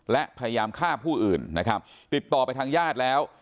และพยายามฆ่าผู้อื่นนะครับติดต่อไปทางญาติแล้ว